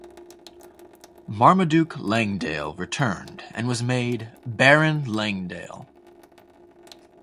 Marmaduke Langdale returned and was made "Baron Langdale".